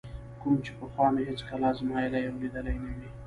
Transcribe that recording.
کوم چې پخوا مې هېڅکله ازمایلی او لیدلی نه وي.